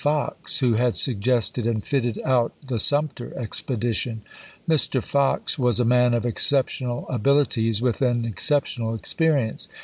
Fox, who had suggested and fitted out the Sumter expedition. Mr. Fox was a man of exceptional abilities, with an exceptional experience.